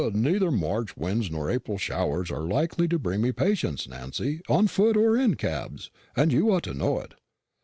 "Neither March winds nor April showers are likely to bring me patients, Nancy, on foot or in cabs, and you ought to know it.